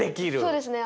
そうですね。